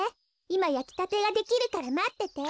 いまやきたてができるからまってて。